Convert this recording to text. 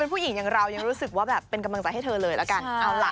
เป็นผู้หญิงอย่างเราน่ะรู้สึกว่าเป็นกำลังใจให้เธอเลยแล้วกัน